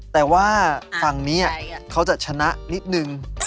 แต่ว่าฝั่งนี้เขาจะชนะนิดนึง